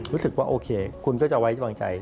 รู้สึกว่าโอเคคุณก็จะไว้วางใจ